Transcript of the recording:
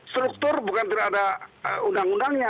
struktur bukan berada undang undangnya